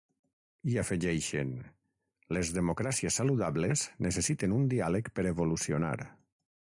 I afegeixen: ‘Les democràcies saludables necessiten un diàleg per evolucionar’.